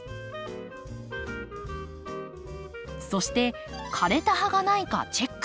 そして枯れた葉がないかチェック。